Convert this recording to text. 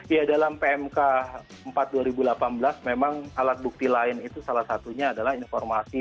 ya dalam pmk empat dua ribu delapan belas memang alat bukti lain itu salah satunya adalah informasi